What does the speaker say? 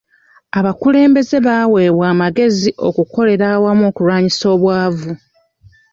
Abakulembeze baweebwa amagezi okukolera awamu okulwanyisa obwavu.